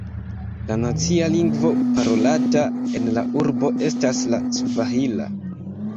La nacia lingvo parolata en la urbo estas la svahila.